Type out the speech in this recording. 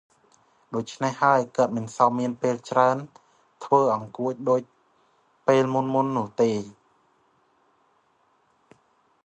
ដូច្នេះហើយ គាត់មិនសូវមានពេលច្រើនមកធ្វើអង្កួចដូចពេលមុនៗនោះទេ។